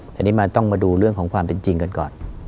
อันนี้มันต้องมาดูเรื่องของความเป็นจริงกันก่อน